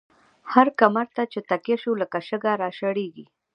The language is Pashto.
هر کمر ته چی تکیه شوو، لکه شگه را شړیږی